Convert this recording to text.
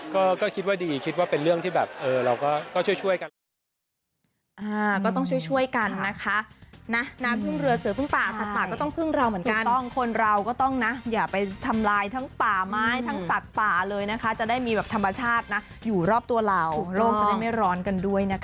ก็คิดว่าดีคิดว่าเป็นเรื่องที่เราก็ช่วยช่วยกัน